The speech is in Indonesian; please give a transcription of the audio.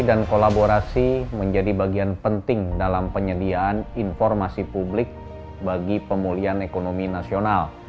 dan kolaborasi menjadi bagian penting dalam penyediaan informasi publik bagi pemulihan ekonomi nasional